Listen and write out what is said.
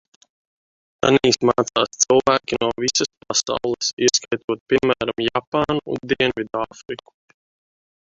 Tanīs mācās cilvēki no visas pasaules, ieskaitot, piemēram, Japānu un Dienvidāfriku.